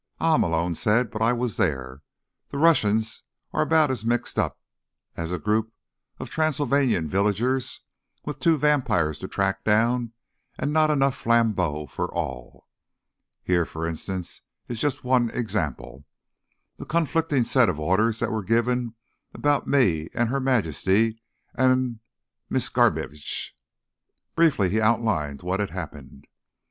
"Ah," Malone said. "But I was there. The Russians are about as mixed up as a group of Transylvanian villagers with two vampires to track down and not enough flambeaux for all. Here, for instance, is just one example: the conflicting sets of orders that were given about me and Her Majesty and L—Miss Garbitsch." Briefly, he outlined what had happened.